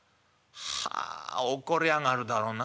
はあ怒りやがるだろう